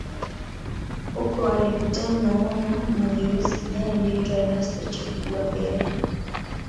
Huko alikutana na mwana mageuzi kijana aliyeitwa Ernesto Che Guevara